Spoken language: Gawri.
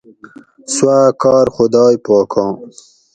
سوآ کار خدائے پاکاں